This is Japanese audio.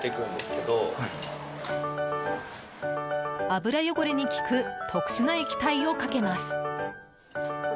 油汚れに効く特殊な液体をかけます。